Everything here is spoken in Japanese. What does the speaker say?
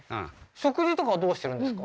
食事とかはどうしてるんですか？